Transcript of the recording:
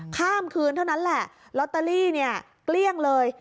ข้ามคืนเท่านั้นแหละลอตเตอรี่เนี่ยเกลี้ยงเลย